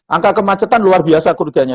angka kemacetan luar biasa kerjanya